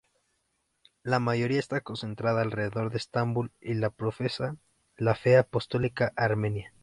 La mayoría está concentrada alrededor de Estambul y profesan la fe apostólica armenia.